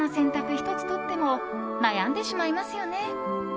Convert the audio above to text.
１つとっても悩んでしまいますよね。